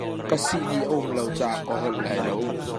Ka sihni a um lo ah cun ka holh lai lo.